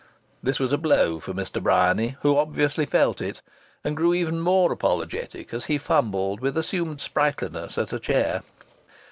This was a blow for Mr. Bryany, who obviously felt it, and grew even more apologetic as he fumbled with assumed sprightliness at a chair.